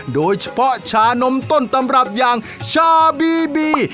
โดยเฉพาะชานมต้นตำรับอย่างชาบีบี